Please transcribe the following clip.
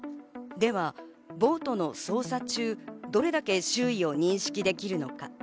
ではボートの操作中、どれだけ周囲を認識できるのか。